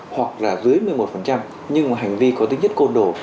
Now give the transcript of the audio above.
hoặc là dưới một mươi một nhưng mà hành vi có tính chất côn đồ